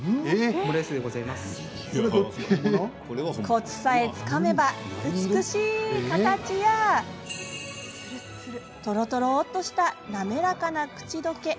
コツさえつかめば美しい形やとろとろっとした滑らかな口溶け。